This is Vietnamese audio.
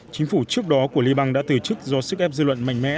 chính phủ trước đó của liên bang đã từ chức do sức ép dư luận mạnh mẽ